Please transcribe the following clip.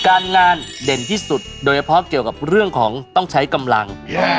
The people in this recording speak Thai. การงานเด่นที่สุดโดยเฉพาะเกี่ยวกับเรื่องของต้องใช้กำลัง